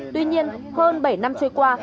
tuy nhiên hơn bảy năm trôi qua